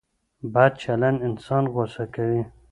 بد چلند انسان غوسه کوي.